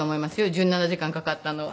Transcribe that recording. １７時間かかったのは。